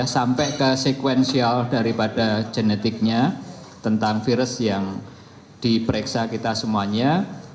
sampai ke sekuensial daripada genetiknya tentang virus yang diperiksa kita semuanya